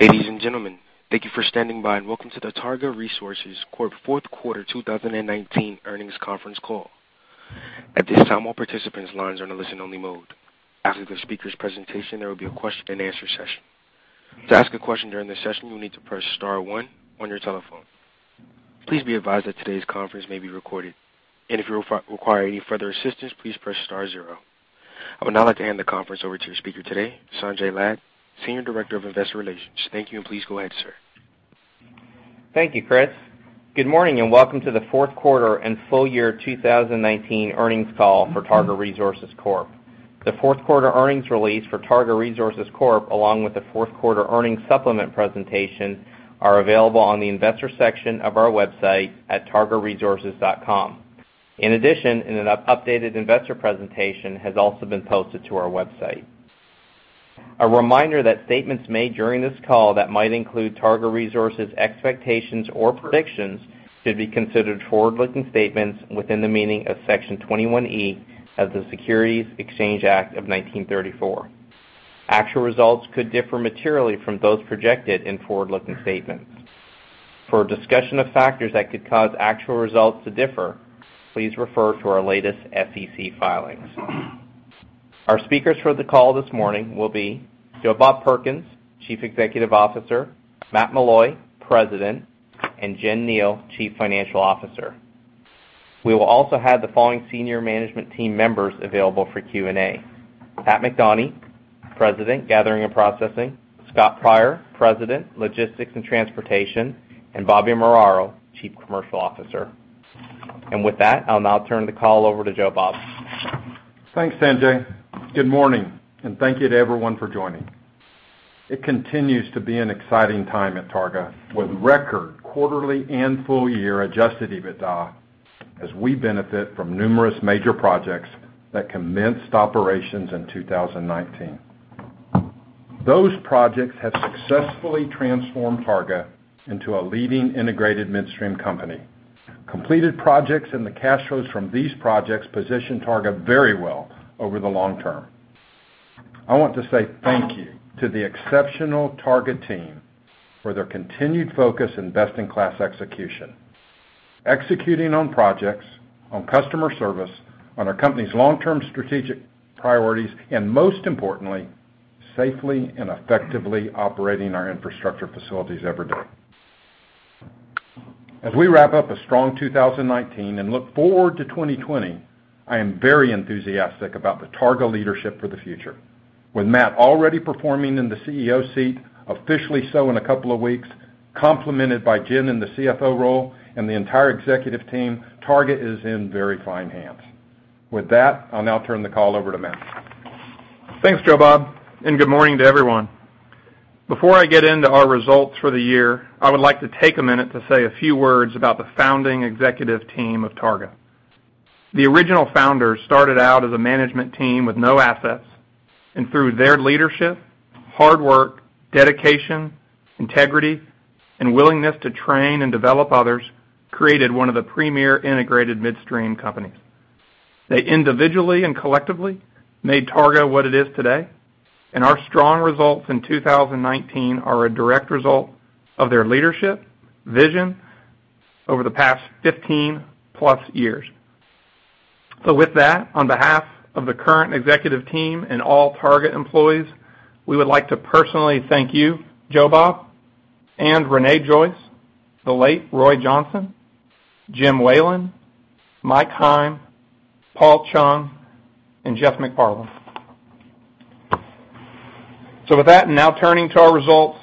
Ladies and gentlemen, thank you for standing by and welcome to the Targa Resources Corp fourth quarter 2019 earnings conference call. At this time, all participants' lines are in a listen-only mode. After the speaker's presentation, there will be a question and answer session. To ask a question during the session, you'll need to press star one on your telephone. Please be advised that today's conference may be recorded and if you require any further assistance, please press star zero. I would now like to hand the conference over to your speaker today, Sanjay Lad, Senior Director of Investor Relations. Thank you, and please go ahead, sir. Thank you, Chris. Good morning and welcome to the fourth quarter and full year 2019 earnings call for Targa Resources Corp. The fourth quarter earnings release for Targa Resources Corp, along with the fourth quarter earnings supplement presentation, are available on the Investor section of our website at targaresources.com. In addition, an updated investor presentation has also been posted to our website. A reminder that statements made during this call that might include Targa Resources expectations or predictions should be considered forward-looking statements within the meaning of Section 21E of the Securities Exchange Act of 1934. Actual results could differ materially from those projected in forward-looking statements. For a discussion of factors that could cause actual results to differ, please refer to our latest SEC filings. Our speakers for the call this morning will be Joe Bob Perkins, Chief Executive Officer, Matt Meloy, President, and Jen Kneale, Chief Financial Officer. We will also have the following senior management team members available for Q&A: Pat McDonie, President, Gathering and Processing, Scott Pryor, President, Logistics and Transportation, and Bobby Muraro, Chief Commercial Officer. With that, I'll now turn the call over to Joe Bob. Thanks, Sanjay. Good morning and thank you to everyone for joining. It continues to be an exciting time at Targa with record quarterly and full-year adjusted EBITDA as we benefit from numerous major projects that commenced operations in 2019. Those projects have successfully transformed Targa into a leading integrated midstream company. Completed projects and the cash flows from these projects position Targa very well over the long term. I want to say thank you to the exceptional Targa team for their continued focus and best-in-class execution. Executing on projects, on customer service, on our company's long-term strategic priorities, and most importantly, safely and effectively operating our infrastructure facilities every day. As we wrap up a strong 2019 and look forward to 2020, I am very enthusiastic about the Targa leadership for the future. With Matt already performing in the CEO seat, officially so in a couple of weeks, complemented by Jen in the CFO role and the entire executive team, Targa is in very fine hands. With that, I'll now turn the call over to Matt. Thanks, Joe Bob. Good morning to everyone. Before I get into our results for the year, I would like to take a minute to say a few words about the founding executive team of Targa. The original founders started out as a management team with no assets, and through their leadership, hard work, dedication, integrity, and willingness to train and develop others, created one of the premier integrated midstream companies. They individually and collectively made Targa what it is today, and our strong results in 2019 are a direct result of their leadership, vision over the past 15+ years. With that, on behalf of the current executive team and all Targa employees, we would like to personally thank you, Joe Bob, and Rene Joyce, the late Roy Johnson, Jim Whalen, Mike Heim, Paul Chung, and Jeff McParland. With that, now turning to our results.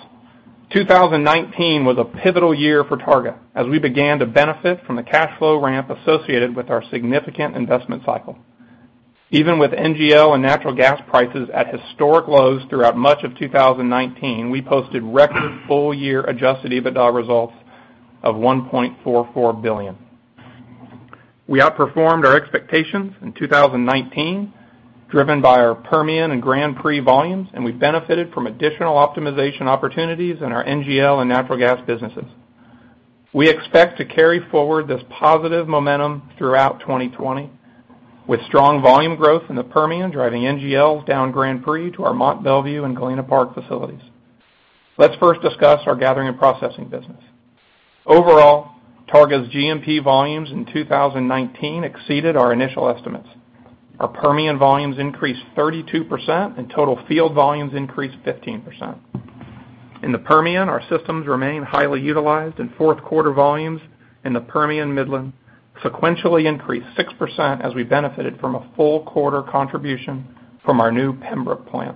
2019 was a pivotal year for Targa as we began to benefit from the cash flow ramp associated with our significant investment cycle. Even with NGL and natural gas prices at historic lows throughout much of 2019, we posted record full-year adjusted EBITDA results of $1.44 billion. We outperformed our expectations in 2019, driven by our Permian and Grand Prix volumes, and we benefited from additional optimization opportunities in our NGL and natural gas businesses. We expect to carry forward this positive momentum throughout 2020, with strong volume growth in the Permian driving NGLs down Grand Prix to our Mont Belvieu and Galena Park facilities. Let's first discuss our gathering and processing business. Overall, Targa's G&P volumes in 2019 exceeded our initial estimates. Our Permian volumes increased 32%, and total field volumes increased 15%. In the Permian, our systems remain highly utilized, and fourth quarter volumes in the Permian Midland sequentially increased 6% as we benefited from a full quarter contribution from our new Pembrook plant.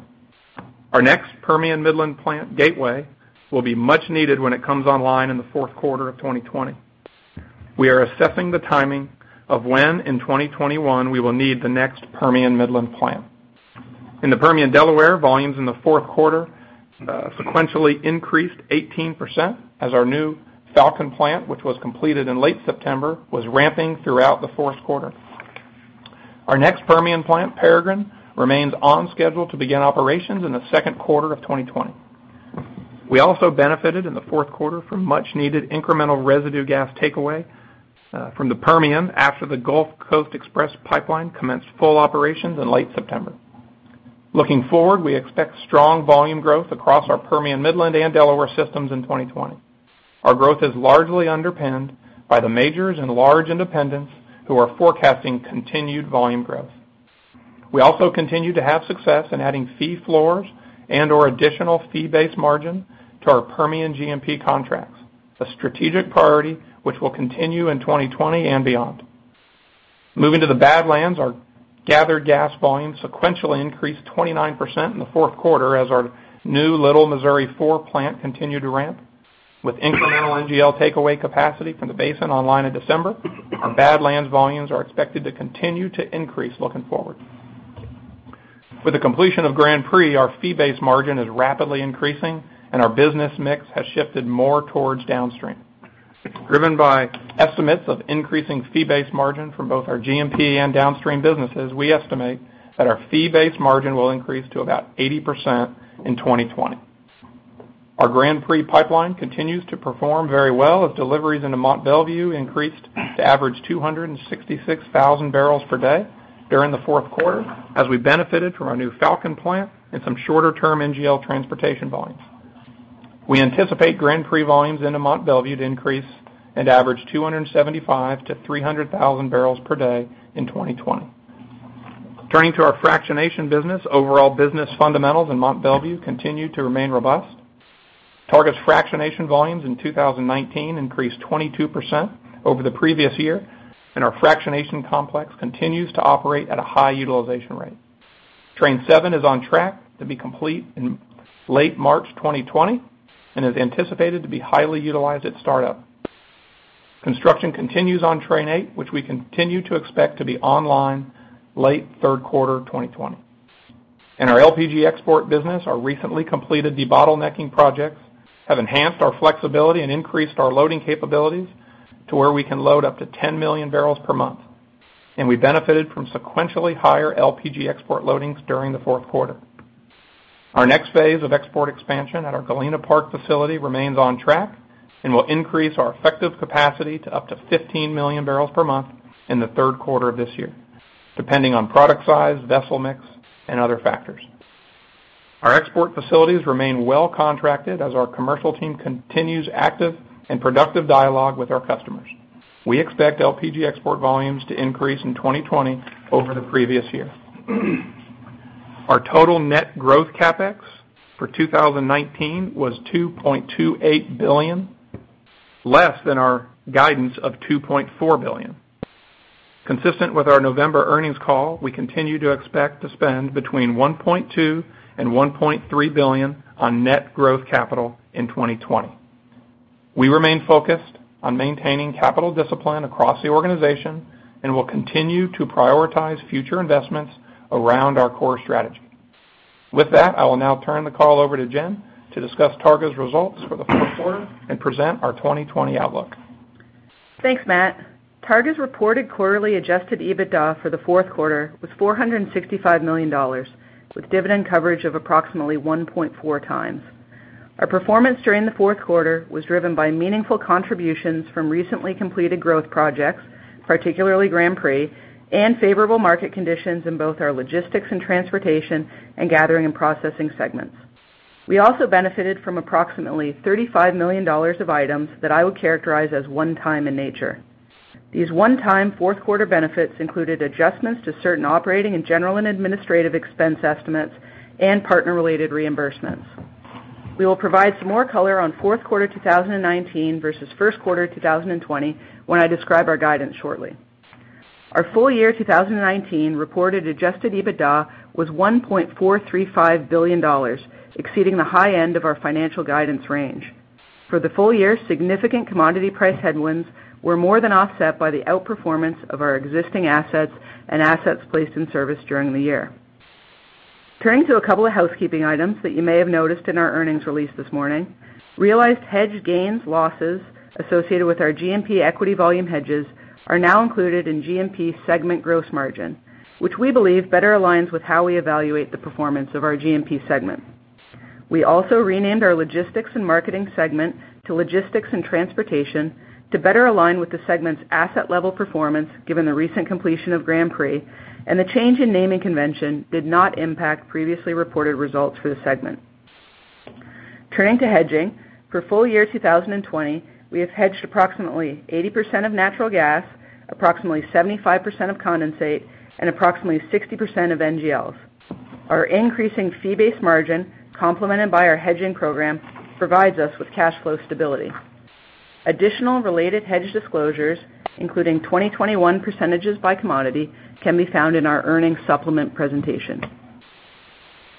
Our next Permian Midland plant, Gateway, will be much needed when it comes online in the fourth quarter of 2020. We are assessing the timing of when in 2021 we will need the next Permian Midland plant. In the Permian Delaware, volumes in the fourth quarter sequentially increased 18% as our new Falcon plant, which was completed in late September, was ramping throughout the fourth quarter. Our next Permian plant, Peregrine, remains on schedule to begin operations in the second quarter of 2020. We also benefited in the fourth quarter from much-needed incremental residue gas takeaway from the Permian after the Gulf Coast Express Pipeline commenced full operations in late September. Looking forward, we expect strong volume growth across our Permian Midland and Delaware systems in 2020. Our growth is largely underpinned by the majors and large independents who are forecasting continued volume growth. We also continue to have success in adding fee floors and/or additional fee-based margin to our Permian G&P contracts, a strategic priority which will continue in 2020 and beyond. Moving to the Badlands, our gathered gas volumes sequentially increased 29% in the fourth quarter as our new Little Missouri 4 plant continued to ramp. With incremental NGL takeaway capacity from the basin online in December, our Badlands volumes are expected to continue to increase looking forward. With the completion of Grand Prix, our fee-based margin is rapidly increasing and our business mix has shifted more towards downstream. Driven by estimates of increasing fee-based margin from both our G&P and downstream businesses, we estimate that our fee-based margin will increase to about 80% in 2020. Our Grand Prix Pipeline continues to perform very well as deliveries into Mont Belvieu increased to average 266,000 bpd during the fourth quarter, as we benefited from our new Falcon plant and some shorter-term NGL transportation volumes. We anticipate Grand Prix volumes into Mont Belvieu to increase and average 275,000 bpd-300,000 bpd in 2020. Turning to our fractionation business, overall business fundamentals in Mont Belvieu continue to remain robust. Targa's fractionation volumes in 2019 increased 22% over the previous year, and our fractionation complex continues to operate at a high utilization rate. Train 7 is on track to be complete in late March 2020 and is anticipated to be highly utilized at startup. Construction continues on Train 8, which we continue to expect to be online late third quarter 2020. In our LPG export business, our recently completed debottlenecking projects have enhanced our flexibility and increased our loading capabilities to where we can load up to 10 MMbbl per month, and we benefited from sequentially higher LPG export loadings during the fourth quarter. Our next phase of export expansion at our Galena Park facility remains on track and will increase our effective capacity to up to 15 MMbbl per month in the third quarter of this year, depending on product size, vessel mix, and other factors. Our export facilities remain well-contracted as our commercial team continues active and productive dialogue with our customers. We expect LPG export volumes to increase in 2020 over the previous year. Our total net growth CapEx for 2019 was $2.28 billion, less than our guidance of $2.4 billion. Consistent with our November earnings call, we continue to expect to spend between $1.2 billion and $1.3 billion on net growth capital in 2020. We remain focused on maintaining capital discipline across the organization and will continue to prioritize future investments around our core strategy. With that, I will now turn the call over to Jen to discuss Targa's results for the fourth quarter and present our 2020 outlook. Thanks, Matt. Targa's reported quarterly adjusted EBITDA for the fourth quarter was $465 million, with dividend coverage of approximately 1.4x. Our performance during the fourth quarter was driven by meaningful contributions from recently completed growth projects, particularly Grand Prix, and favorable market conditions in both our Logistics and Transportation and Gathering and Processing segments. We also benefited from approximately $35 million of items that I would characterize as one-time in nature. These one-time fourth quarter benefits included adjustments to certain operating and general and administrative expense estimates and partner-related reimbursements. We will provide some more color on fourth quarter 2019 versus first quarter 2020 when I describe our guidance shortly. Our full year 2019 reported adjusted EBITDA was $1.435 billion, exceeding the high end of our financial guidance range. For the full year, significant commodity price headwinds were more than offset by the outperformance of our existing assets and assets placed in service during the year. Turning to a couple of housekeeping items that you may have noticed in our earnings release this morning. Realized hedge gains, losses associated with our G&P equity volume hedges are now included in G&P's segment gross margin, which we believe better aligns with how we evaluate the performance of our G&P segment. We also renamed our Logistics and Marketing segment to Logistics and Transportation to better align with the segment's asset level performance, given the recent completion of Grand Prix, and the change in naming convention did not impact previously reported results for the segment. Turning to hedging. For full year 2020, we have hedged approximately 80% of natural gas, approximately 75% of condensate, and approximately 60% of NGLs. Our increasing fee-based margin, complemented by our hedging program, provides us with cash flow stability. Additional related hedge disclosures, including 2021 % by commodity, can be found in our earnings supplement presentation.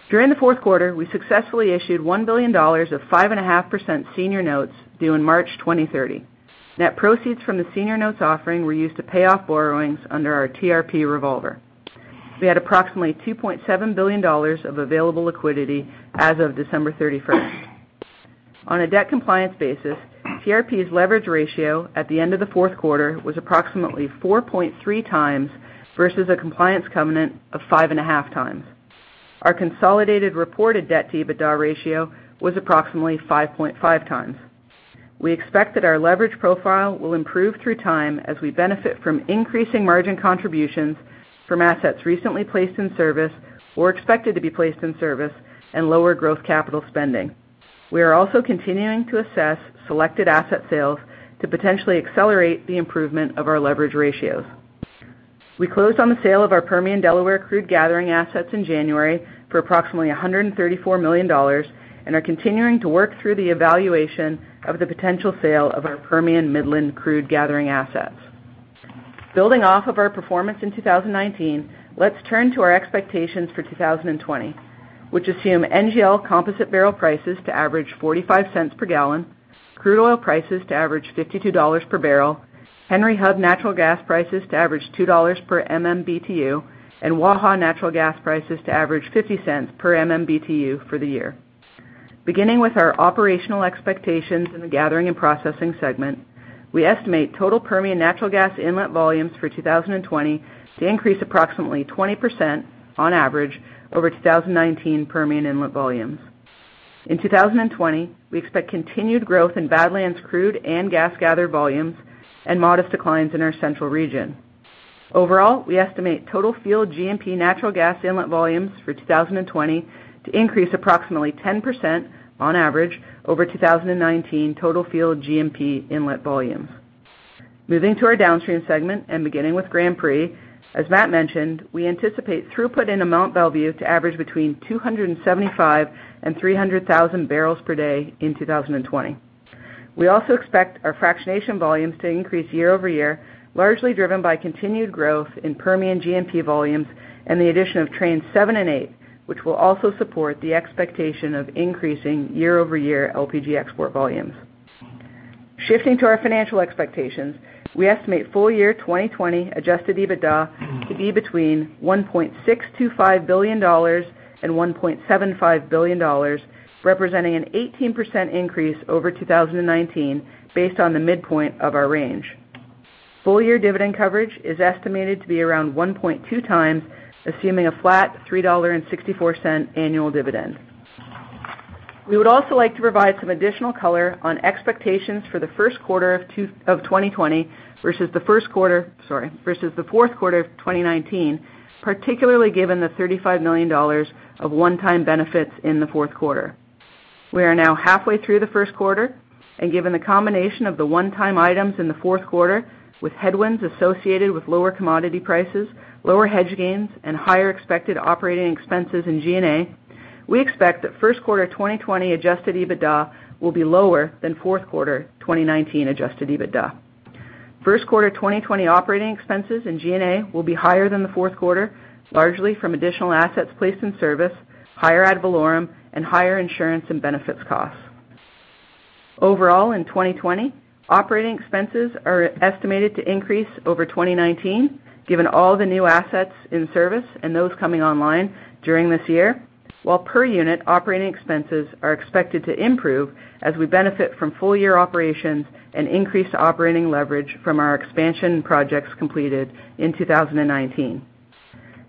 During the fourth quarter, we successfully issued $1 billion of 5.5% senior notes due in March 2030. Net proceeds from the senior notes offering were used to pay off borrowings under our TRP revolver. We had approximately $2.7 billion of available liquidity as of December 31st. On a debt compliance basis, TRP's leverage ratio at the end of the fourth quarter was approximately 4.3x versus a compliance covenant of 5.5x. Our consolidated reported debt-to-EBITDA ratio was approximately 5.5x. We expect that our leverage profile will improve through time as we benefit from increasing margin contributions from assets recently placed in service or expected to be placed in service and lower growth capital spending. We are also continuing to assess selected asset sales to potentially accelerate the improvement of our leverage ratios. We closed on the sale of our Permian Delaware crude gathering assets in January for approximately $134 million and are continuing to work through the evaluation of the potential sale of our Permian Midland crude gathering assets. Building off of our performance in 2019, let's turn to our expectations for 2020, which assume NGL composite barrel prices to average $0.45 per gallon, crude oil prices to average $52 per barrel, Henry Hub natural gas prices to average $2 per MMBtu, and Waha natural gas prices to average $0.50 per MMBtu for the year. Beginning with our operational expectations in the Gathering and Processing segment, we estimate total Permian natural gas inlet volumes for 2020 to increase approximately 20% on average over 2019 Permian inlet volumes. In 2020, we expect continued growth in Badlands crude and gas gather volumes and modest declines in our central region. Overall, we estimate total field G&P natural gas inlet volumes for 2020 to increase approximately 10% on average over 2019 total field G&P inlet volumes. Moving to our downstream segment and beginning with Grand Prix, as Matt mentioned, we anticipate throughput into Mont Belvieu to average between 275,000 bpd and 300,000 bpd in 2020. We also expect our fractionation volumes to increase year-over-year, largely driven by continued growth in Permian G&P volumes and the addition of Trains 7 and 8, which will also support the expectation of increasing year-over-year LPG export volumes. Shifting to our financial expectations, we estimate full year 2020 adjusted EBITDA to be between $1.625 billion and $1.75 billion, representing an 18% increase over 2019, based on the midpoint of our range. Full year dividend coverage is estimated to be around 1.2x, assuming a flat $3.64 annual dividend. We would also like to provide some additional color on expectations for the first quarter of 2020 versus, sorry, versus the fourth quarter of 2019, particularly given the $35 million of one-time benefits in the fourth quarter. We are now halfway through the first quarter. Given the combination of the one-time items in the fourth quarter with headwinds associated with lower commodity prices, lower hedge gains, and higher expected operating expenses in G&A, we expect that first quarter 2020 adjusted EBITDA will be lower than fourth quarter 2019 adjusted EBITDA. First quarter 2020 operating expenses in G&A will be higher than the fourth quarter, largely from additional assets placed in service, higher ad valorem, and higher insurance and benefits costs. Overall, in 2020, operating expenses are estimated to increase over 2019, given all the new assets in service and those coming online during this year, while per unit operating expenses are expected to improve as we benefit from full year operations and increased operating leverage from our expansion projects completed in 2019.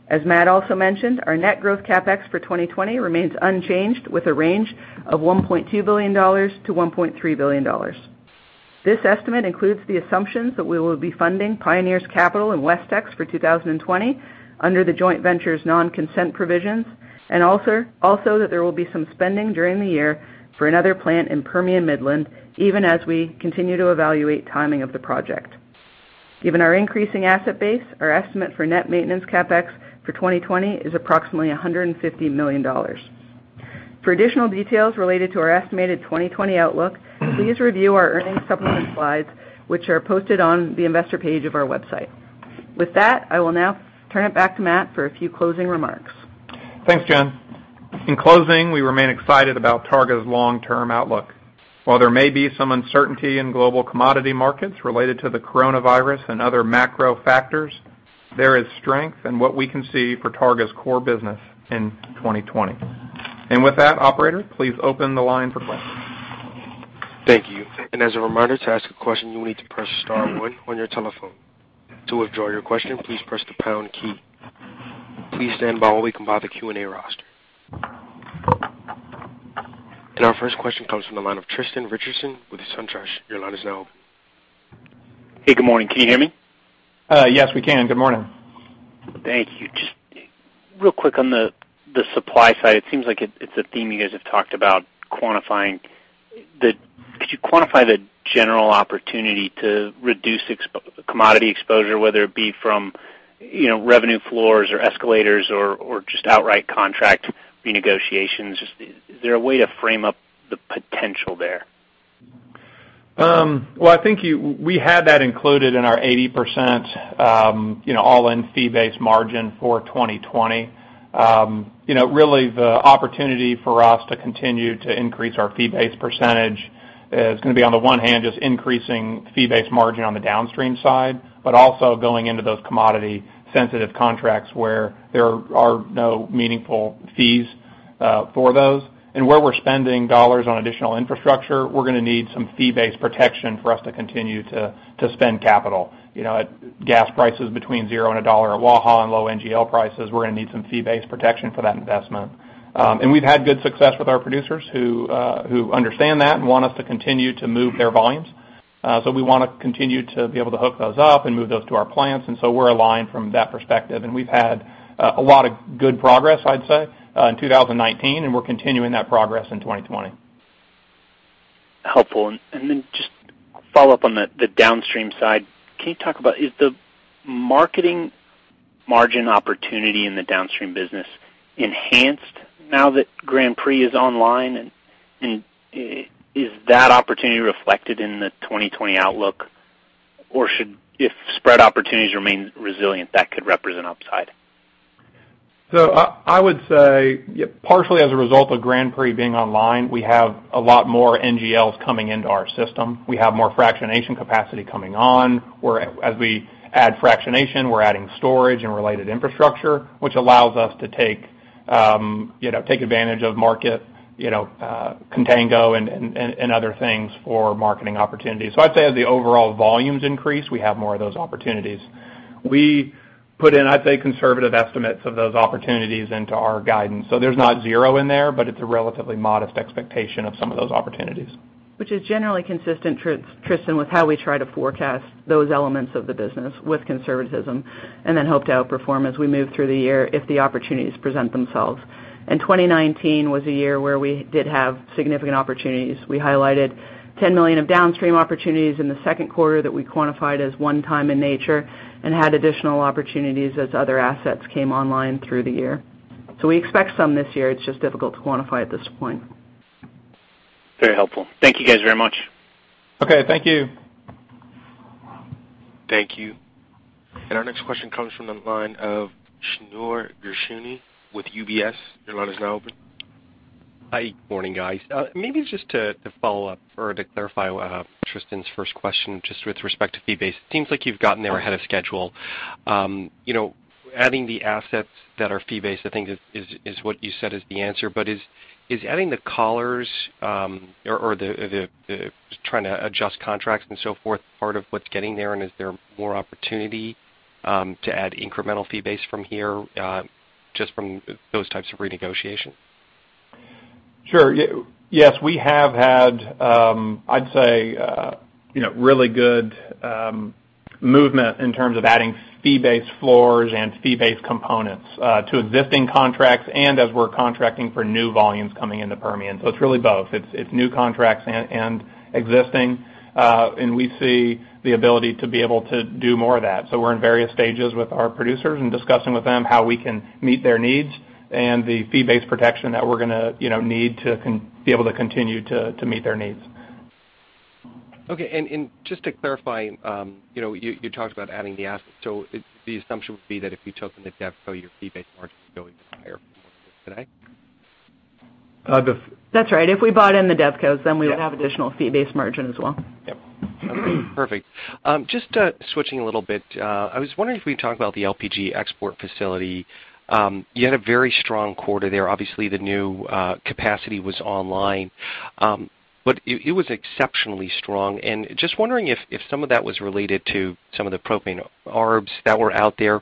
As Matt also mentioned, our net growth CapEx for 2020 remains unchanged, with a range of $1.2 billion-$1.3 billion. This estimate includes the assumptions that we will be funding Pioneer's capital and WestTX for 2020 under the joint venture's non-consent provisions, and also that there will be some spending during the year for another plant in Permian Midland, even as we continue to evaluate timing of the project. Given our increasing asset base, our estimate for net maintenance CapEx for 2020 is approximately $150 million. For additional details related to our estimated 2020 outlook, please review our earnings supplement slides, which are posted on the investor page of our website. With that, I will now turn it back to Matt for a few closing remarks. Thanks, Jen. In closing, we remain excited about Targa's long-term outlook. While there may be some uncertainty in global commodity markets related to the coronavirus and other macro factors, there is strength in what we can see for Targa's core business in 2020. With that, operator, please open the line for questions. Thank you. As a reminder, to ask a question, you will need to press star one on your telephone. To withdraw your question, please press the pound key. Please stand by while we compile the Q&A roster. Our first question comes from the line of Tristan Richardson with SunTrust. Your line is now open. Hey, good morning. Can you hear me? Yes, we can. Good morning. Thank you. Just real quick on the supply side, it seems like it's a theme you guys have talked about. Could you quantify the general opportunity to reduce commodity exposure, whether it be from revenue floors or escalators or just outright contract renegotiations? Is there a way to frame up the potential there? Well, I think we had that included in our 80% all-in fee-based margin for 2020. Really the opportunity for us to continue to increase our fee-based percentage is going to be, on the one hand, just increasing fee-based margin on the downstream side, but also going into those commodity-sensitive contracts where there are no meaningful fees. For those. Where we're spending dollars on additional infrastructure, we're going to need some fee-based protection for us to continue to spend capital. At gas prices between $0 and $1 at Waha and low NGL prices, we're going to need some fee-based protection for that investment. We've had good success with our producers who understand that and want us to continue to move their volumes. We want to continue to be able to hook those up and move those to our plants. We're aligned from that perspective, and we've had a lot of good progress, I'd say, in 2019, and we're continuing that progress in 2020. Helpful. Just follow up on the downstream side. Can you talk about, is the marketing margin opportunity in the downstream business enhanced now that Grand Prix is online? Is that opportunity reflected in the 2020 outlook? If spread opportunities remain resilient, that could represent upside? I would say, partially as a result of Grand Prix being online, we have a lot more NGLs coming into our system. We have more fractionation capacity coming on. As we add fractionation, we're adding storage and related infrastructure, which allows us to take advantage of market contango and other things for marketing opportunities. I'd say as the overall volumes increase, we have more of those opportunities. We put in, I'd say, conservative estimates of those opportunities into our guidance. There's not zero in there, but it's a relatively modest expectation of some of those opportunities. Which is generally consistent, Tristan, with how we try to forecast those elements of the business with conservatism and then hope to outperform as we move through the year if the opportunities present themselves. 2019 was a year where we did have significant opportunities. We highlighted $10 million of downstream opportunities in the second quarter that we quantified as one-time in nature and had additional opportunities as other assets came online through the year. We expect some this year. It's just difficult to quantify at this point. Very helpful. Thank you guys very much. Okay, thank you. Thank you. Our next question comes from the line of Shneur Gershuni with UBS. Your line is now open. Hi, good morning, guys. Maybe just to follow up or to clarify Tristan's first question, just with respect to fee-based. Adding the assets that are fee-based, I think is what you said is the answer, but is adding the collars or trying to adjust contracts and so forth part of what's getting there, and is there more opportunity to add incremental fee base from here, just from those types of renegotiation? Sure. Yes, we have had, I'd say, really good movement in terms of adding fee-based floors and fee-based components to existing contracts and as we're contracting for new volumes coming into Permian. It's really both. It's new contracts and existing. We see the ability to be able to do more of that. We're in various stages with our producers and discussing with them how we can meet their needs and the fee-based protection that we're going to need to be able to continue to meet their needs. Just to clarify, you talked about adding the assets. The assumption would be that if you took them to DevCo, your fee-based margin would go even higher from where it is today? The- That's right. If we bought in the DevCo, then we would have additional fee-based margin as well. Yep. Okay, perfect. Just switching a little bit. I was wondering if we can talk about the LPG export facility. You had a very strong quarter there. Obviously, the new capacity was online. It was exceptionally strong. Just wondering if some of that was related to some of the propane ARBs that were out there.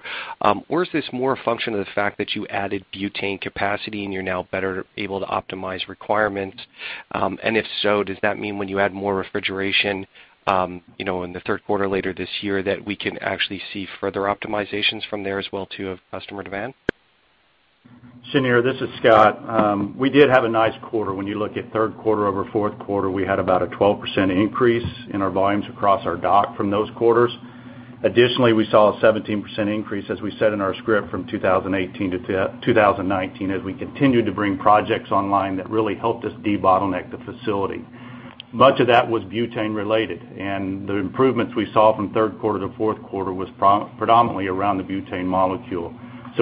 Is this more a function of the fact that you added butane capacity, and you're now better able to optimize requirements? If so, does that mean when you add more refrigeration in the third quarter later this year, that we can actually see further optimizations from there as well too, of customer demand? Shneur, this is Scott. We did have a nice quarter. When you look at third quarter over fourth quarter, we had about a 12% increase in our volumes across our dock from those quarters. Additionally, we saw a 17% increase, as we said in our script, from 2018 to 2019 as we continued to bring projects online that really helped us debottleneck the facility. Much of that was butane related, and the improvements we saw from third quarter to fourth quarter was predominantly around the butane molecule.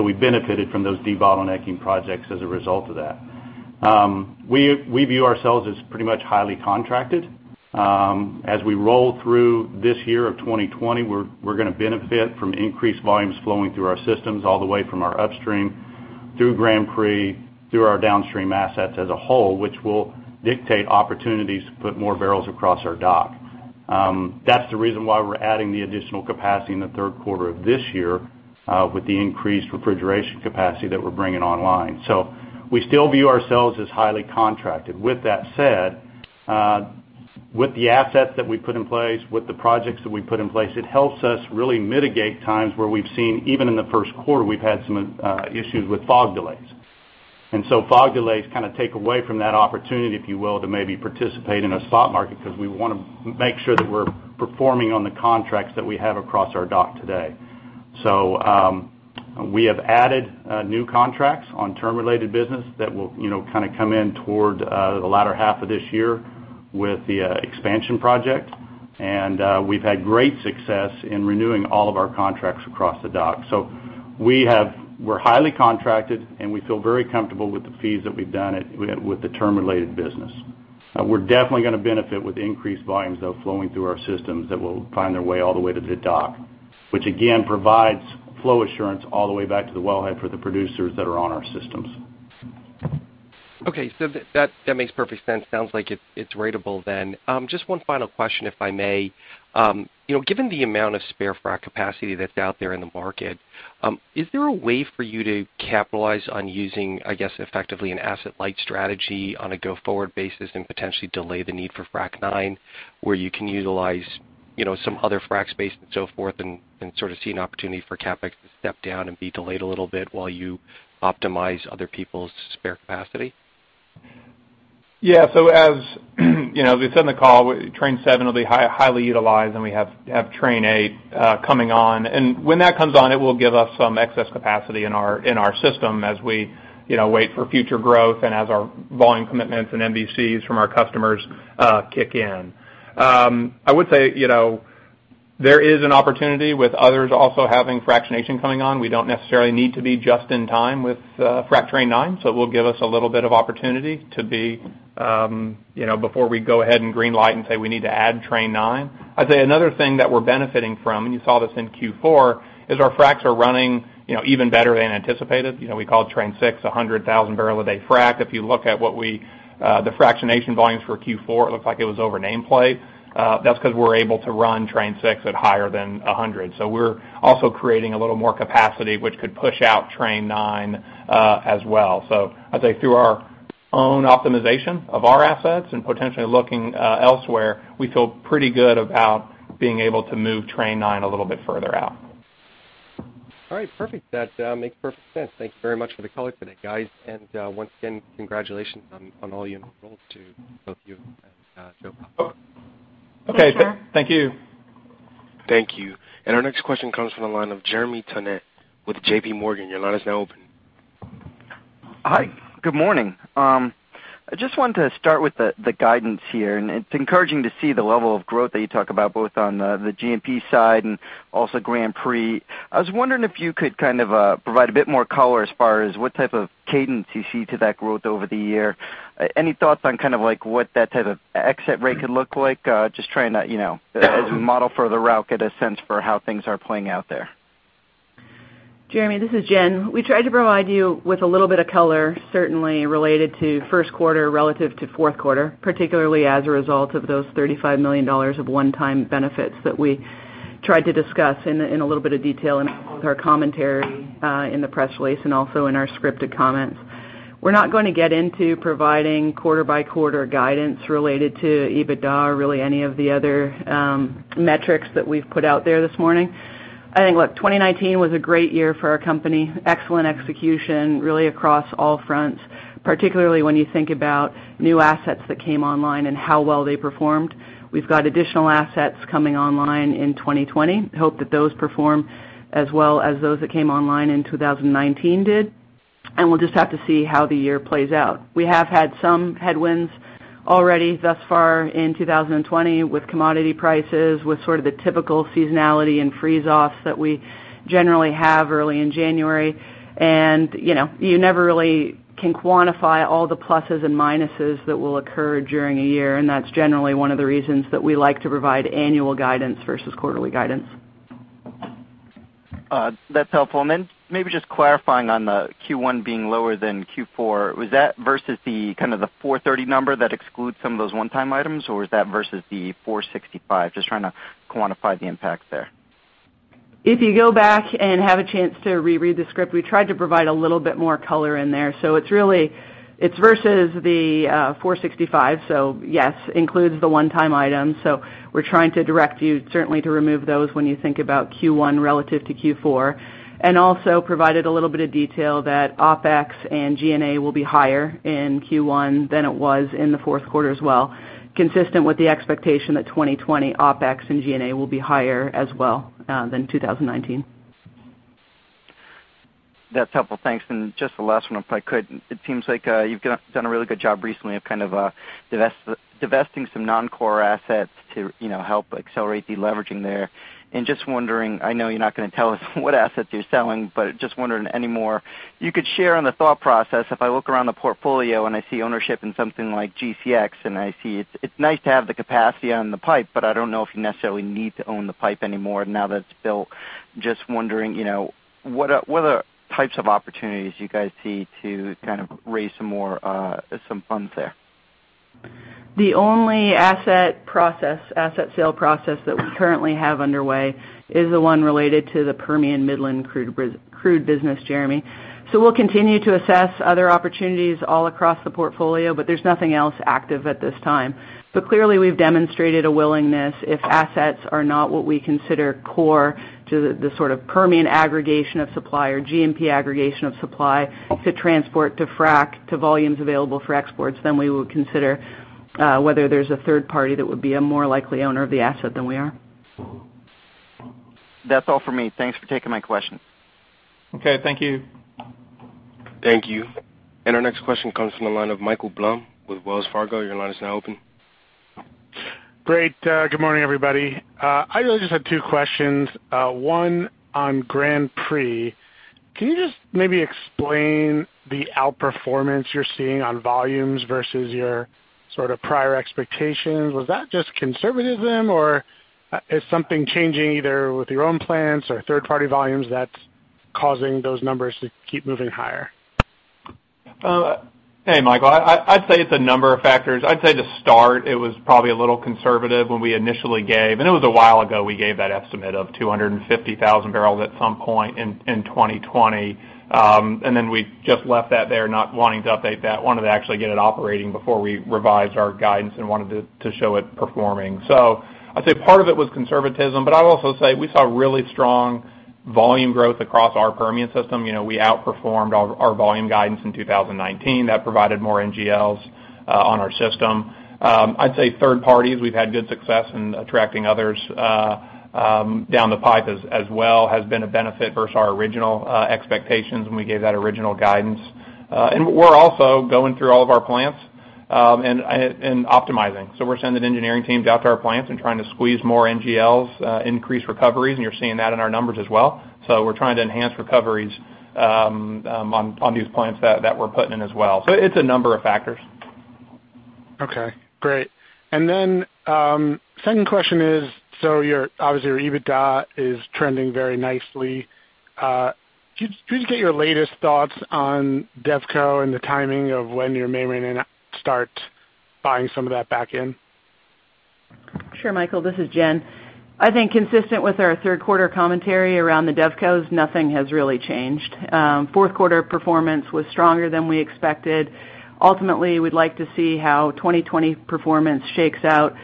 We benefited from those debottlenecking projects as a result of that. We view ourselves as pretty much highly contracted. As we roll through this year of 2020, we're going to benefit from increased volumes flowing through our systems all the way from our upstream through Grand Prix, through our downstream assets as a whole, which will dictate opportunities to put more barrels across our dock. That's the reason why we're adding the additional capacity in the third quarter of this year with the increased refrigeration capacity that we're bringing online. We still view ourselves as highly contracted. With that said, with the assets that we put in place, with the projects that we put in place, it helps us really mitigate times where we've seen, even in the first quarter, we've had some issues with fog delays. Fog delays kind of take away from that opportunity, if you will, to maybe participate in a spot market because we want to make sure that we're performing on the contracts that we have across our dock today. We have added new contracts on term-related business that will kind of come in toward the latter half of this year with the expansion project. We've had great success in renewing all of our contracts across the dock. We're highly contracted, and we feel very comfortable with the fees that we've done with the term-related business. We're definitely going to benefit with increased volumes, though, flowing through our systems that will find their way all the way to the dock. Which again, provides flow assurance all the way back to the wellhead for the producers that are on our systems. That makes perfect sense. Sounds like it's ratable then. Just one final question, if I may. Given the amount of spare frac capacity that's out there in the market, is there a way for you to capitalize on using, I guess, effectively an asset-light strategy on a go-forward basis and potentially delay the need for frac 9 where you can utilize some other frac space and so forth, and sort of see an opportunity for CapEx to step down and be delayed a little bit while you optimize other people's spare capacity? Yeah. As we said in the call, Train 7 will be highly utilized, and we have Train 8 coming on. When that comes on, it will give us some excess capacity in our system as we wait for future growth and as our volume commitments and MVCs from our customers kick in. I would say, there is an opportunity with others also having fractionation coming on. We don't necessarily need to be just in time with frac Train 9, so it will give us a little bit of opportunity before we go ahead and green-light and say we need to add Train 9. I'd say another thing that we're benefiting from, and you saw this in Q4, is our fracs are running even better than anticipated. We called Train 6 a 100,000 bbl a day frac. If you look at the fractionation volumes for Q4, it looks like it was over nameplate. That's because we're able to run Train 6 at higher than 100,000 bbl a day. We're also creating a little more capacity, which could push out Train 9 as well. I'd say through our own optimization of our assets and potentially looking elsewhere, we feel pretty good about being able to move Train 9 a little bit further out. All right, perfect. That makes perfect sense. Thank you very much for the color today, guys. Once again, congratulations on all your roles to both you and Joe Bob. Okay. Thank you. Thank you. Our next question comes from the line of Jeremy Tonet with JPMorgan. Your line is now open. Hi, good morning. I just wanted to start with the guidance here. It's encouraging to see the level of growth that you talk about, both on the G&P side and also Grand Prix. I was wondering if you could kind of provide a bit more color as far as what type of cadence you see to that growth over the year. Any thoughts on kind of like what that type of exit rate could look like? Just trying to, as we model further out, get a sense for how things are playing out there. Jeremy, this is Jen. We tried to provide you with a little bit of color, certainly related to first quarter relative to fourth quarter, particularly as a result of those $35 million of one-time benefits that we tried to discuss in a little bit of detail in both our commentary in the press release and also in our scripted comments. We're not going to get into providing quarter-by-quarter guidance related to EBITDA or really any of the other metrics that we've put out there this morning. I think, look, 2019 was a great year for our company. Excellent execution, really across all fronts, particularly when you think about new assets that came online and how well they performed. We've got additional assets coming online in 2020. Hope that those perform as well as those that came online in 2019 did. We'll just have to see how the year plays out. We have had some headwinds already thus far in 2020 with commodity prices, with sort of the typical seasonality and freeze-offs that we generally have early in January. You never really can quantify all the pluses and minuses that will occur during a year, and that's generally one of the reasons that we like to provide annual guidance versus quarterly guidance. That's helpful. Maybe just clarifying on the Q1 being lower than Q4. Was that versus the kind of the $430 million number that excludes some of those one-time items, or was that versus the $465 million? Just trying to quantify the impact there. If you go back and have a chance to reread the script, we tried to provide a little bit more color in there. It's versus the $465 million, so yes, includes the one-time item. We're trying to direct you certainly to remove those when you think about Q1 relative to Q4, and also provided a little bit of detail that OpEx and G&A will be higher in Q1 than it was in the fourth quarter as well, consistent with the expectation that 2020 OpEx and G&A will be higher as well than 2019. That's helpful. Thanks. Just the last one, if I could. It seems like you've done a really good job recently of kind of divesting some non-core assets to help accelerate de-leveraging there. Just wondering, I know you're not going to tell us what assets you're selling, but just wondering, any more you could share on the thought process. If I look around the portfolio and I see ownership in something like GCX, and I see it's nice to have the capacity on the pipe, but I don't know if you necessarily need to own the pipe anymore now that it's built. Just wondering, what are types of opportunities you guys see to kind of raise some funds there? The only asset sale process that we currently have underway is the one related to the Permian Midland crude business, Jeremy. We'll continue to assess other opportunities all across the portfolio, but there's nothing else active at this time. Clearly, we've demonstrated a willingness if assets are not what we consider core to the sort of Permian aggregation of supply or G&P aggregation of supply, to transport, to frac, to volumes available for exports, then we would consider whether there's a third party that would be a more likely owner of the asset than we are. That's all for me. Thanks for taking my question. Okay, thank you. Thank you. Our next question comes from the line of Michael Blum with Wells Fargo. Your line is now open. Great, good morning, everybody. I really just have two questions. One on Grand Prix. Can you just maybe explain the outperformance you're seeing on volumes versus your prior expectations? Was that just conservatism, or is something changing, either with your own plants or third-party volumes that's causing those numbers to keep moving higher? Hey, Michael. I'd say it's a number of factors. I'd say to start, it was probably a little conservative when we initially gave that estimate of 250,000 bbl at some point in 2020. Then we just left that there, not wanting to update that. Wanted to actually get it operating before we revised our guidance and wanted to show it performing. I'd say part of it was conservatism, but I would also say we saw really strong volume growth across our Permian system. We outperformed our volume guidance in 2019. That provided more NGLs on our system. I'd say third parties, we've had good success in attracting others down the pipe as well, has been a benefit versus our original expectations when we gave that original guidance. We're also going through all of our plants and optimizing. We're sending engineering teams out to our plants and trying to squeeze more NGLs, increase recoveries, and you're seeing that in our numbers as well. We're trying to enhance recoveries on these plants that we're putting in as well. It's a number of factors. Okay, great. Second question is, obviously your EBITDA is trending very nicely. Could we just get your latest thoughts on DevCo and the timing of when you may start buying some of that back in? Sure, Michael, this is Jen. I think consistent with our third quarter commentary around the DevCos, nothing has really changed. Fourth quarter performance was stronger than we expected. Ultimately, we'd like to see how 2020 performance shakes out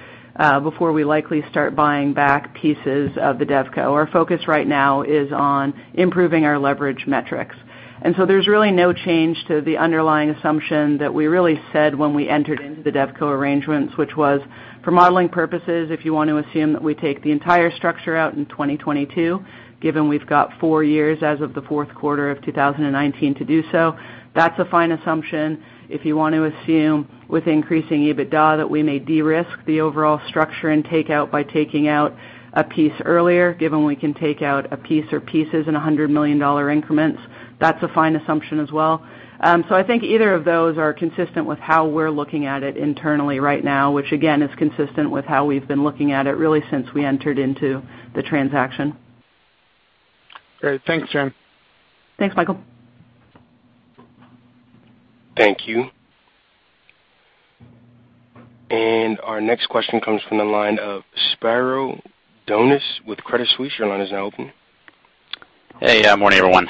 before we likely start buying back pieces of the DevCo. Our focus right now is on improving our leverage metrics. There's really no change to the underlying assumption that we really said when we entered into the DevCo arrangements, which was for modeling purposes. If you want to assume that we take the entire structure out in 2022, given we've got four years as of the fourth quarter of 2019 to do so, that's a fine assumption. If you want to assume with increasing EBITDA that we may de-risk the overall structure and take out by taking out a piece earlier, given we can take out a piece or pieces in $100 million increments, that's a fine assumption as well. I think either of those are consistent with how we're looking at it internally right now, which again, is consistent with how we've been looking at it really since we entered into the transaction. Great. Thanks, Jen. Thanks, Michael. Thank you. Our next question comes from the line of Spiro Dounis with Credit Suisse. Your line is now open. Hey. Morning, everyone.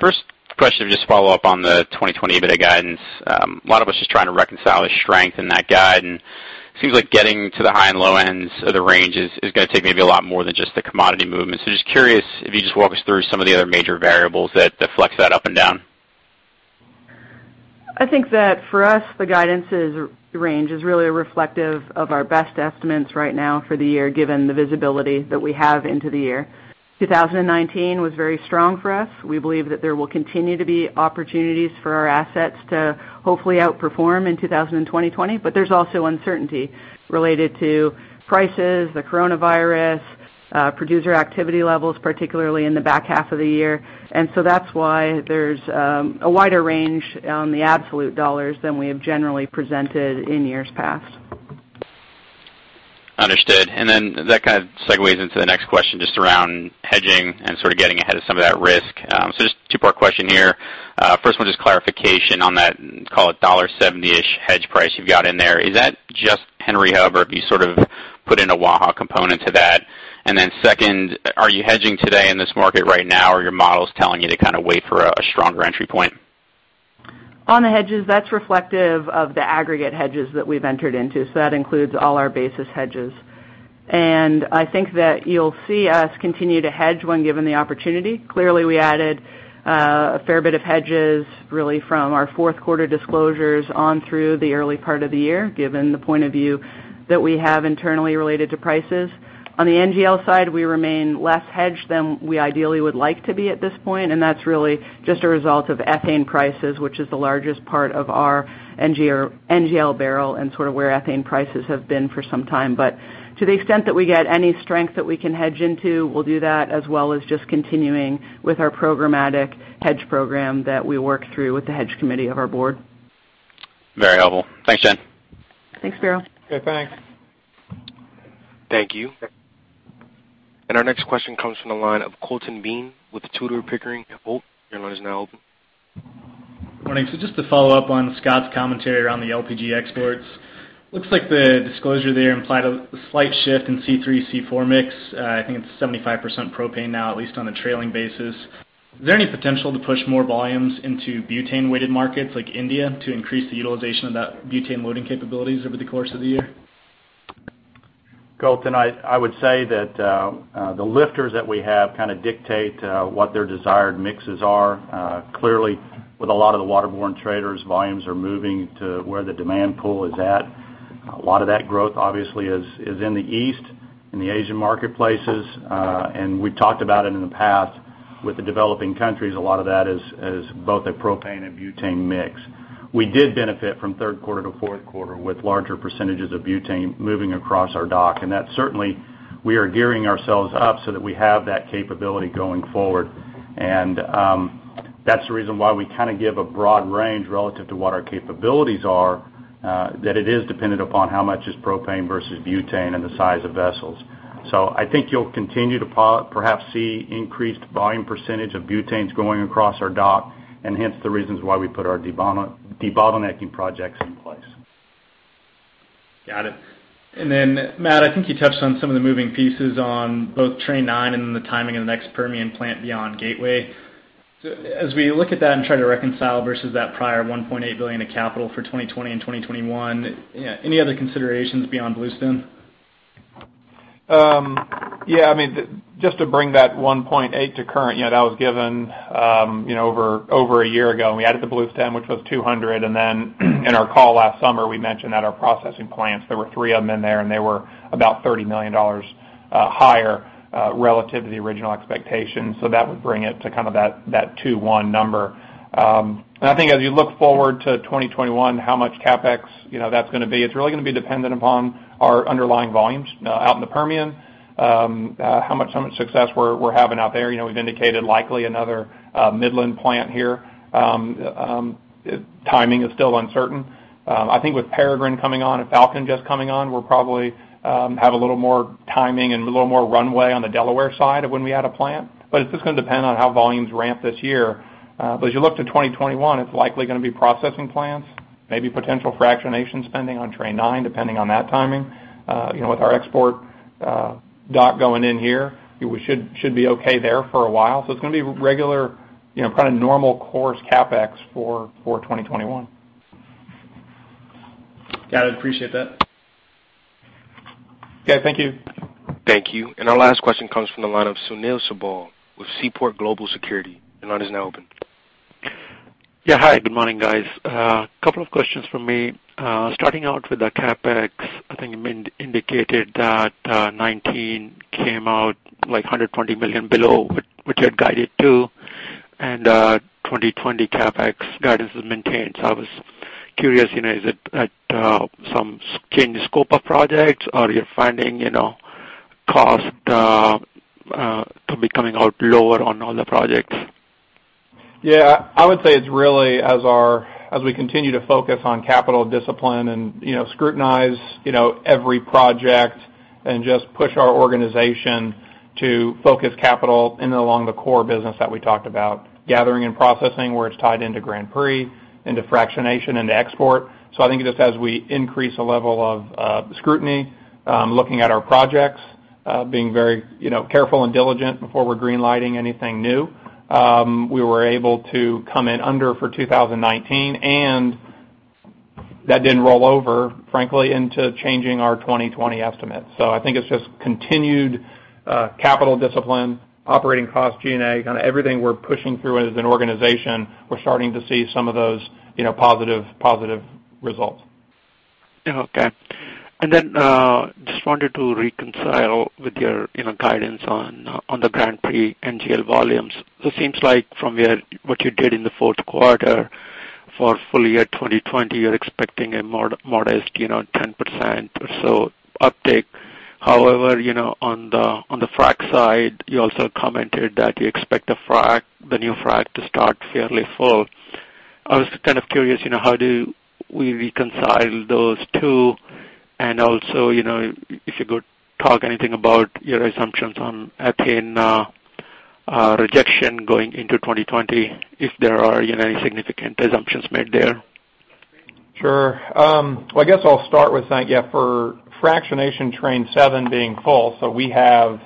First question, just to follow up on the 2020 EBITDA guidance. A lot of us just trying to reconcile the strength in that guide, and seems like getting to the high and low ends of the range is going to take maybe a lot more than just the commodity movements. Just curious if you just walk us through some of the other major variables that affects that up and down. I think that for us, the guidance range is really reflective of our best estimates right now for the year, given the visibility that we have into the year. 2019 was very strong for us. We believe that there will continue to be opportunities for our assets to hopefully outperform in 2020. But there's also uncertainty related to prices, the coronavirus, producer activity levels, particularly in the back half of the year. And so that's why there's a wider range on the absolute dollars than we have generally presented in years past. Understood. That kind of segues into the next question, just around hedging and sort of getting ahead of some of that risk. Just two-part question here. First one, just clarification on that, call it $1.70-ish hedge price you've got in there. Is that just Henry Hub, or have you sort of put in a Waha component to that? Then second, are you hedging today in this market right now, or are your models telling you to kind of wait for a stronger entry point? On the hedges, that's reflective of the aggregate hedges that we've entered into. That includes all our basis hedges. I think that you'll see us continue to hedge when given the opportunity. Clearly, we added a fair bit of hedges, really from our fourth quarter disclosures on through the early part of the year, given the point of view that we have internally related to prices. On the NGL side, we remain less hedged than we ideally would like to be at this point, and that's really just a result of ethane prices, which is the largest part of our NGL barrel and sort of where ethane prices have been for some time. To the extent that we get any strength that we can hedge into, we'll do that as well as just continuing with our programmatic hedge program that we work through with the hedge committee of our board. Very helpful. Thanks, Jen. Thanks, Spiro. Okay, thanks. Thank you. Our next question comes from the line of Colton Bean with Tudor, Pickering, Holt. Your line is now open. Good morning. Just to follow up on Scott's commentary around the LPG exports. Looks like the disclosure there implied a slight shift in C3, C4 mix. I think it's 75% propane now, at least on a trailing basis. Is there any potential to push more volumes into butane-weighted markets like India to increase the utilization of that butane loading capabilities over the course of the year? Colton, I would say that the lifters that we have kind of dictate what their desired mixes are. Clearly, with a lot of the waterborne traders, volumes are moving to where the demand pool is at. A lot of that growth, obviously, is in the East, in the Asian marketplaces. We've talked about it in the past with the developing countries, a lot of that is both a propane and butane mix. We did benefit from third quarter to fourth quarter with larger percentages of butane moving across our dock. That certainly, we are gearing ourselves up so that we have that capability going forward. That's the reason why we give a broad range relative to what our capabilities are, that it is dependent upon how much is propane versus butane and the size of vessels. I think you'll continue to perhaps see increased volume percentage of butanes going across our dock, and hence the reasons why we put our debottlenecking projects in place. Got it. Then Matt, I think you touched on some of the moving pieces on both Train 9 and the timing of the next Permian plant beyond Gateway. As we look at that and try to reconcile versus that prior $1.8 billion of capital for 2020 and 2021, any other considerations beyond Bluestem? Just to bring that $1.8 billion to current, that was given over a year ago. We added the Bluestem, which was $200 million. In our call last summer, we mentioned at our processing plants, there were three of them in there, and they were about $30 million higher, relative to the original expectations. That would bring it to that $2.1 billion. I think as you look forward to 2021, how much CapEx that's going to be. It's really going to be dependent upon our underlying volumes out in the Permian, how much success we're having out there. We've indicated likely another Midland plant here. Timing is still uncertain. I think with Peregrine coming on and Falcon just coming on, we'll probably have a little more timing and a little more runway on the Delaware side of when we add a plant. It's just going to depend on how volumes ramp this year. As you look to 2021, it's likely going to be processing plants, maybe potential fractionation spending on Train 9, depending on that timing. With our export dock going in here, we should be okay there for a while. It's going to be regular, normal course CapEx for 2021. Got it. Appreciate that. Okay. Thank you. Thank you. Our last question comes from the line of Sunil Sibal with Seaport Global Securities. Your line is now open. Yeah. Hi, good morning, guys. Couple of questions from me. Starting out with the CapEx, I think you indicated that 2019 came out like $120 million below what you had guided to. 2020 CapEx guidance is maintained. I was curious, is it at some change scope of projects, or you're finding cost to be coming out lower on all the projects? I would say it's really as we continue to focus on capital discipline and scrutinize every project and just push our organization to focus capital in and along the core business that we talked about, gathering and processing, where it's tied into Grand Prix, into fractionation, into export. I think just as we increase the level of scrutiny, looking at our projects, being very careful and diligent before we're green-lighting anything new. We were able to come in under for 2019, and that didn't roll over, frankly, into changing our 2020 estimate. I think it's just continued capital discipline, operating cost, G&A, kind of everything we're pushing through as an organization, we're starting to see some of those positive results. Okay. Just wanted to reconcile with your guidance on the Grand Prix NGL volumes. It seems like from what you did in the fourth quarter for full year 2020, you're expecting a modest 10% or so uptick. However, on the frack side, you also commented that you expect the new frack to start fairly full. I was kind of curious, how do we reconcile those two? If you could talk anything about your assumptions on ethane rejection going into 2020, if there are any significant assumptions made there. Sure. Well, I guess I'll start with that. For fractionation Train 7 being full, we have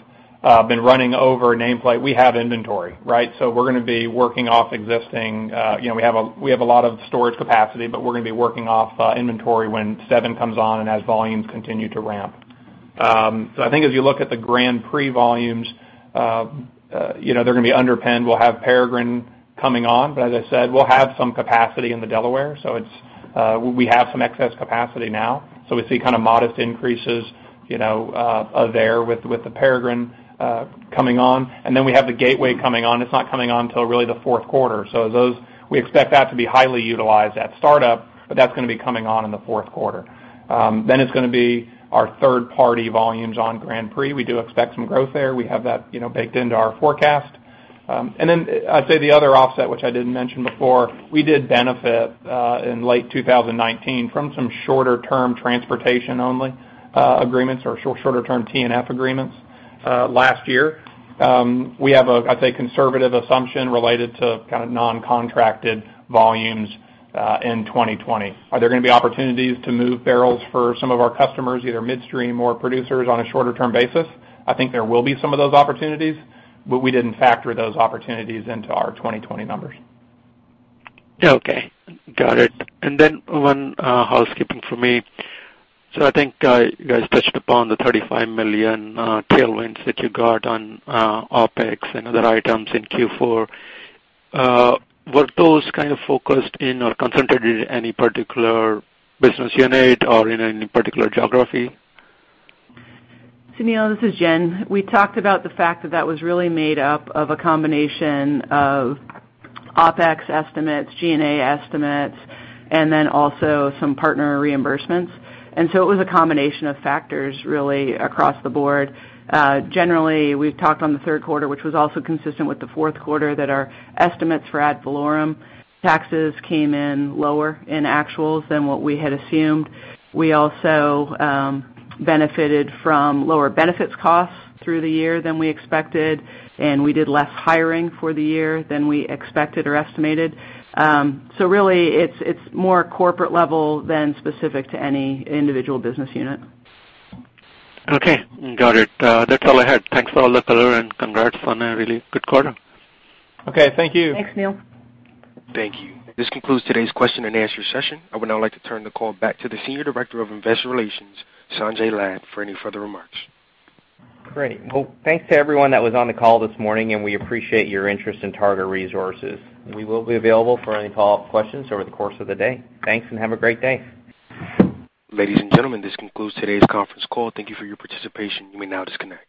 been running over nameplate. We have inventory, right? We're going to be working off inventory when 7 comes on and as volumes continue to ramp. I think as you look at the Grand Prix volumes, they're going to be underpinned. We'll have Peregrine coming on, as I said, we'll have some capacity in the Delaware. We have some excess capacity now, we see kind of modest increases there with the Peregrine coming on. We have the Gateway coming on. It's not coming on until really the fourth quarter. We expect that to be highly utilized at startup, that's going to be coming on in the fourth quarter. It's going to be our third-party volumes on Grand Prix. We do expect some growth there. We have that baked into our forecast. I'd say the other offset, which I didn't mention before, we did benefit, in late 2019, from some shorter-term transportation only agreements or shorter-term T&F agreements last year. We have a, I'd say, conservative assumption related to non-contracted volumes, in 2020. Are there going to be opportunities to move barrels for some of our customers, either midstream or producers on a shorter-term basis? I think there will be some of those opportunities, but we didn't factor those opportunities into our 2020 numbers. Okay. Got it. One housekeeping for me. I think you guys touched upon the $35 million tailwinds that you got on OpEx and other items in Q4. Were those kind of focused in or concentrated in any particular business unit or in any particular geography? Sunil, this is Jen. We talked about the fact that that was really made up of a combination of OpEx estimates, G&A estimates, and then also some partner reimbursements. It was a combination of factors really across the board. Generally, we've talked on the third quarter, which was also consistent with the fourth quarter, that our estimates for ad valorem taxes came in lower in actuals than what we had assumed. We also benefited from lower benefits costs through the year than we expected, and we did less hiring for the year than we expected or estimated. Really, it's more corporate level than specific to any individual business unit. Okay. Got it. That's all I had. Thanks for all the color and congrats on a really good quarter. Okay. Thank you. Thanks, Sunil. Thank you. This concludes today's question and answer session. I would now like to turn the call back to the Senior Director of Investor Relations, Sanjay Lad, for any further remarks. Great. Well, thanks to everyone that was on the call this morning, and we appreciate your interest in Targa Resources. We will be available for any follow-up questions over the course of the day. Thanks, and have a great day. Ladies and gentlemen, this concludes today's conference call. Thank you for your participation. You may now disconnect.